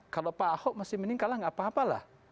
kalau pak ahok masih mending kalah nggak apa apa lah